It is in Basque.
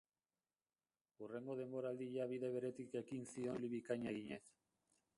Hurrengo denboraldia bide beretik ekin zion lehen itzuli bikaina eginez.